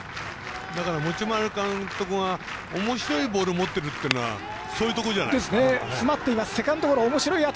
持丸監督がおもしろいボールを持ってるっていうのはそういうとこじゃないですか。